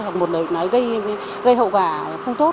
hay một ơn lời nói gây hậu quả không tốt